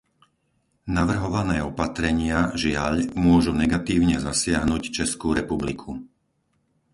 Navrhované opatrenia, žiaľ, môžu negatívne zasiahnuť Českú republiku.